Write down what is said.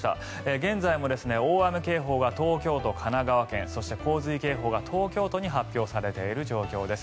現在も大雨警報が東京と神奈川県そして洪水警報が東京都に発表されている状況です。